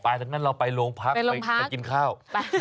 ดังนั้นเราไปโรงพักไปกินข้าว